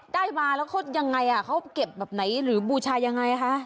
ได้มาแล้วเขายังไงเขาเก็บแบบไหนหรือบูชายังไงคะ